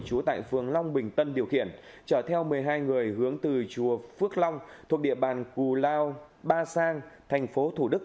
chú tại phường long bình tân điều khiển chở theo một mươi hai người hướng từ chùa phước long thuộc địa bàn cù lao ba sang thành phố thủ đức